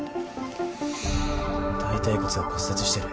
大腿骨が骨折してる。